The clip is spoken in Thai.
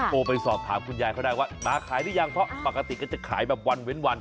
โทรไปสอบถามคุณยายเขาได้ว่ามาขายหรือยังเพราะปกติก็จะขายแบบวันเว้นวัน